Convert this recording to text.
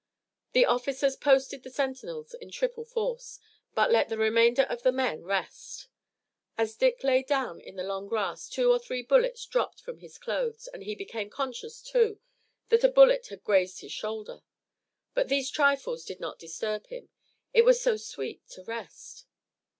The officers posted the sentinels in triple force, but let the remainder of the men rest. As Dick lay down in the long grass two or three bullets dropped from his clothes and he became conscious, too, that a bullet had grazed his shoulder. But these trifles did not disturb him. It was so sweet to rest!